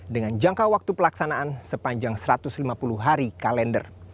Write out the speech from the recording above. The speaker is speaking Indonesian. dengan jangka waktu pelaksanaan sepanjang satu ratus lima puluh hari kalender